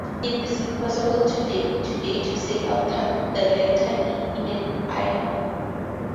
It is impossible today to say who altered the letter "e" into an "i".